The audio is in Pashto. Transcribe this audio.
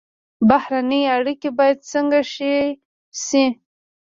بهرنۍ اړیکې باید څنګه ښې شي؟